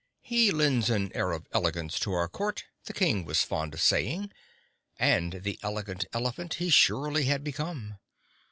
"He lends an air of elegance to our Court," the King was fond of saying, and the Elegant Elephant he surely had become.